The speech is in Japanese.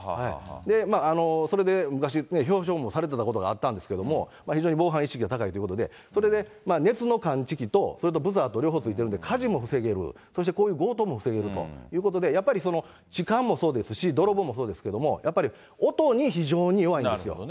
それで昔表彰もされてたこともあるんですけれども、非常に防犯意識が高いということで、それで熱の感知器と、それとブザーもついてるんで火事も防げる、そしてこういう強盗も防げるということで、やっぱり痴漢もそうですし、泥棒もそうですけれども、やっぱり音に非常に弱いんですよ。